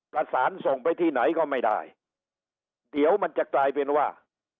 ส่งไปที่ไหนก็ไม่ได้เดี๋ยวมันจะกลายเป็นว่า